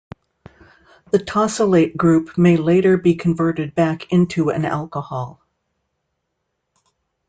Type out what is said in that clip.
The tosylate group may later be converted back into an alcohol.